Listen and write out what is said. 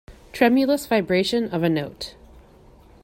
Tremulous vibration of a note.